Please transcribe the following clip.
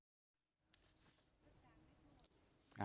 ก็นานีแล้วคุณบทสมประกอบค่ะ